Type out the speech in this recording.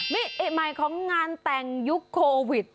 นี่เอกหมายของงานแต่งยุคโควิด